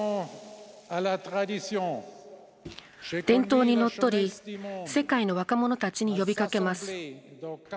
伝統にのっとり世界の若者たちに呼びかけます。